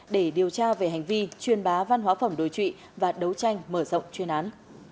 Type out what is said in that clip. để điều tra về hành vi chuyên bá văn hóa phẩm đối trụy và đấu tranh mở rộng chuyên án